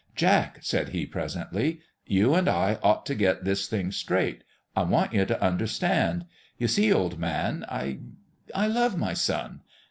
" Jack," said he, presently, " you and I ought to get this thing straight. I want you to understand. You see, old man, I I love my son.